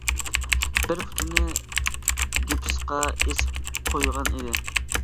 بىر پۇتىنى گىپىسقا ئېسىپ قويغان ئىدى.